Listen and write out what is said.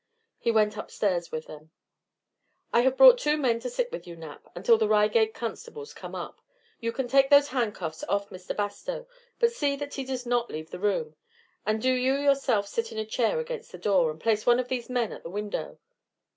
He went upstairs with them. "I have brought up two men to sit with you, Knapp, until the Reigate constables come up. You can take those handcuffs off Mr. Bastow, but see that he does not leave the room, and do you yourself sit in a chair against the door, and place one of these men at the window.